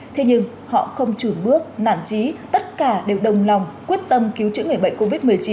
thế nhưng họ không chửi bước nản trí tất cả đều đồng lòng quyết tâm cứu chữa người bệnh covid một mươi chín